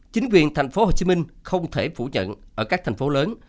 chính quyền tp hcm không thể phủ nhận ở các thành phố lớn